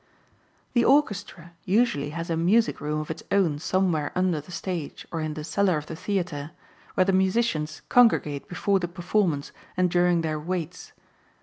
The orchestra usually has a music room of its own somewhere under the stage or in the cellar of the theatre, where the musicians congregate before the performance and during their "waits."